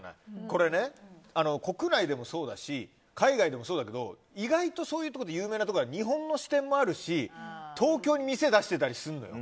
これ、国内でもそうだし海外でもそうだけど意外とそういうところは日本の支店もあるし東京に店を出してたりするのよ。